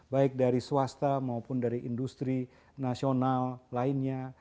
baik dari swasta maupun dari industri nasional lainnya